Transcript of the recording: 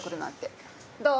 どう？